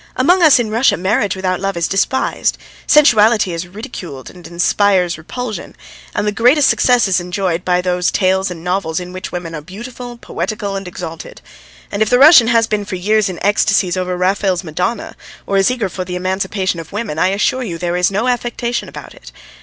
Among us in Russia marriage without love is despised, sensuality is ridiculed and inspires repulsion, and the greatest success is enjoyed by those tales and novels in which women are beautiful, poetical, and exalted; and if the Russian has been for years in ecstasies over Raphael's Madonna, or is eager for the emancipation of women, I assure you there is no affectation about it.